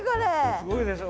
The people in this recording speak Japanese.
すごいでしょ。